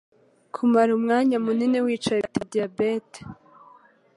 Kumara umwanya munini wicaye bya tera diabete